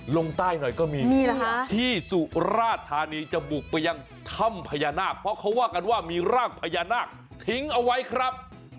ลงใต้หน่อยก็มีที่สุราธานีจะบุกไปยังถ้ำพญานาคเพราะเขาว่ากันว่ามีร่างพญานาคทิ้งเอาไว้ครับ